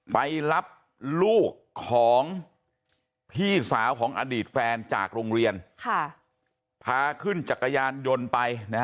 ไปรับลูกของพี่สาวของอดีตแฟนจากโรงเรียนพาขึ้นจักรยานยนต์ไป